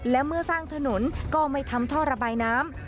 และเมื่อสร้างถนนก็ไม่ทำท่อระบายน้ำ